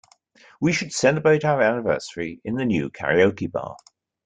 We should celebrate our anniversary in the new karaoke bar.